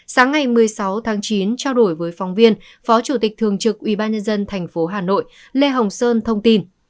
sáng ngày một mươi sáu tháng chín trao đổi với phóng viên phó chủ tịch thường trực ubnd tp hà nội lê hồng sơn thông tin